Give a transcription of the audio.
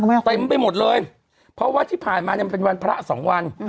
เต็มไปหมดเลยเพราะว่าที่ผ่านมาเนี่ยมันเป็นวันพระสองวัน